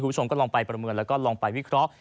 คุณผู้ชมก็ลองไปประเมินและวิเคราะห์